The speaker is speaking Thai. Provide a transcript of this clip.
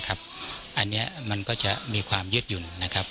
อันนี้มันก็จะมีความยืดหยุ่นนะครับ